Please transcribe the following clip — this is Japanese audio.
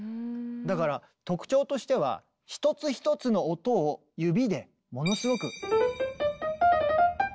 だから特徴としては一つ一つの音を指でものすごく。